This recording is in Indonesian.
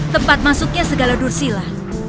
tempat masuknya segala dursila